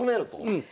うん。